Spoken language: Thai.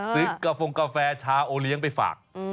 กระฟงกาแฟชาโอเลี้ยงไปฝาก